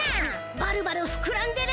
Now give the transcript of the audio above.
バルバル膨らんでる？